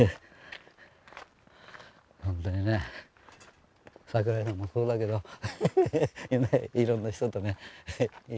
ほんとにね桜井さんもそうだけどいろんな人とね今は。